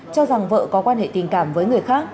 cho rằng vợ có quan hệ tình cảm với người khác